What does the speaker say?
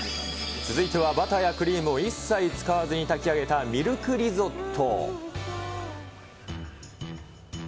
続いてはバターやクリームを一切使わずに炊き上げたミルクリゾット。